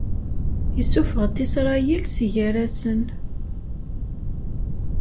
Issufeɣ-d Isṛayil si gar-asen.